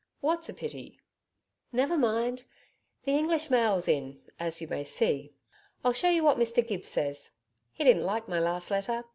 'What's a pity?' 'Never mind! The English mail's in as you may see. I'll show you what Mr Gibbs says. He didn't like my last letter.